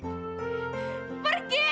pergi kamu dari sini